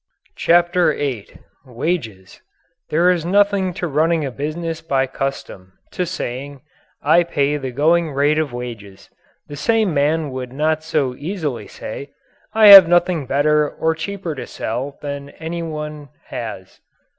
CHAPTER VIII WAGES There is nothing to running a business by custom to saying: "I pay the going rate of wages." The same man would not so easily say: "I have nothing better or cheaper to sell than any one has."